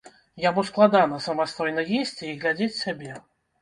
Яму складана самастойна есці і глядзець сябе.